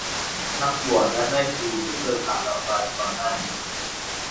นักบวชและแม่ชีเพิ่งเดินผ่านเราไปก่อนหน้านี้